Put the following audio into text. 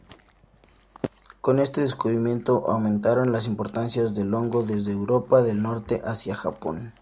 Con este descubrimiento aumentaron las importaciones del hongo desde Europa del Norte hacia Japón.